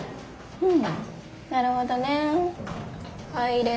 うん。